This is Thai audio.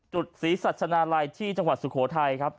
ศรีสัชนาลัยที่จังหวัดสุโขทัยครับ